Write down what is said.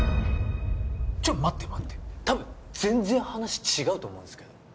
ちょっ待って待って多分全然話違うと思うんすけど！